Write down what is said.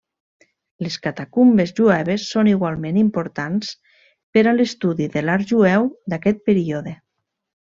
Les catacumbes jueves són igualment importants per a l'estudi de l'art jueu d'aquest període.